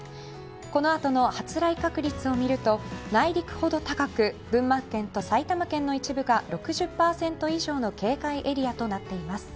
このあとの発雷確率を見ると内陸ほど高く群馬県と埼玉県の一部が６０％以上の警戒エリアとなっています。